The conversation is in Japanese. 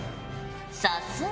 さすが。